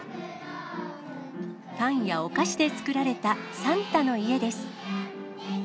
パンやお菓子で作られたサンタの家です。